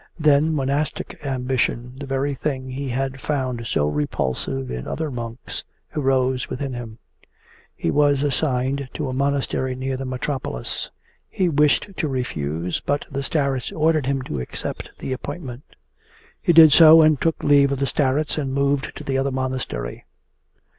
Then monastic ambition, the very thing he had found so repulsive in other monks, arose within him. He was assigned to a monastery near the metropolis. He wished to refuse but the starets ordered him to accept the appointment. He did so, and took leave of the starets and moved to the other monastery.